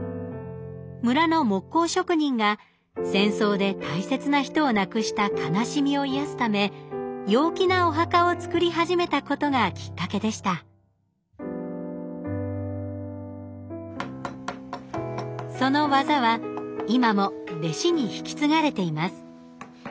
村の木工職人が戦争で大切な人を亡くした悲しみを癒やすため陽気なお墓を作り始めたことがきっかけでしたその技は今も弟子に引き継がれています